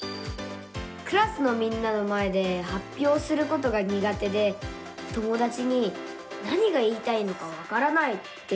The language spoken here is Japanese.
クラスのみんなの前ではっぴょうすることがにが手で友だちに「何が言いたいのかわからない」って言われちゃうんです。